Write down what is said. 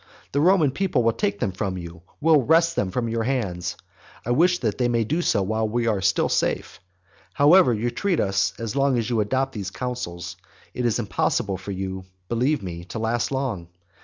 The Roman people will take them from you, will wrest them from your hands, I wish that they may do so while we are still safe. But however you treat us, as long as you adopt those counsels, it is impossible for you, believe me, to last long.